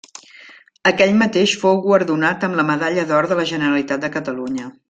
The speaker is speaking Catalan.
Aquell mateix fou guardonat amb la Medalla d'Or de la Generalitat de Catalunya.